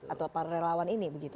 atau para relawan ini begitu